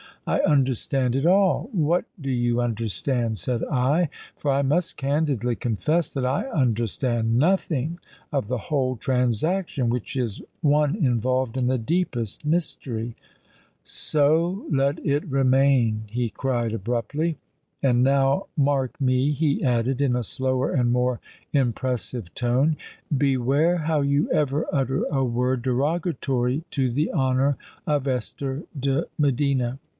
I understand it all._'—'What do you understand?' said I: '_for I must candidly confess that I understand nothing of the whole transaction, which is one involved in the deepest mystery_.'—'So let it remain, he cried abruptly: 'and now mark me,' he added in a slower and more impressive tone; 'beware how you ever utter a word derogatory to the honour of Esther de Medina.'